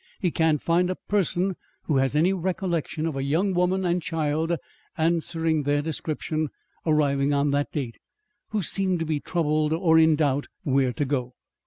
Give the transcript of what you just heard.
He can't find a person who has any recollection of a young woman and child answering their description, arriving on that date, who seemed to be troubled or in doubt where to go.